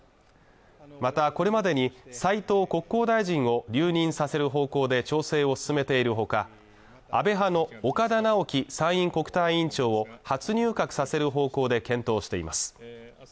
またこれまでに斉藤国交大臣を留任させる方向で調整を進めているほか安倍派の岡田直樹参院国対委員長を初入閣させる方向で検討しています